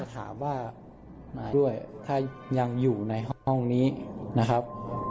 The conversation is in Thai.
ถ้ายังอยู่ในห้องนี้นะครับ